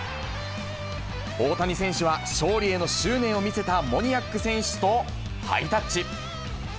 大谷選手は勝利への執念を見せたモニアック選手とハイタッチ。